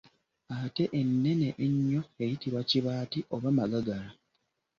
Ate ennene ennyo eyitibwa kibaati oba magagala.